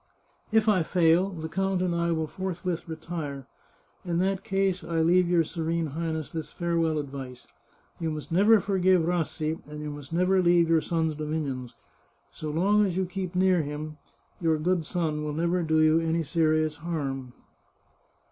If I fail, the count and I will forthwith retire. In that case I leave your Serene Highness this farewell ad vice: You must never forgive Rassi, and you must never leave your son's dominions. So long as you keep near him, your good son will never do you any serious harm."